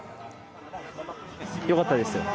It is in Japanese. よかったです。